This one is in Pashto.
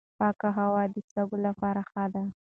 پاکه هوا د سږو لپاره ښه ده.